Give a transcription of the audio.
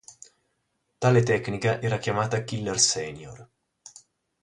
Tale tecnica era chiamata Killer Senior.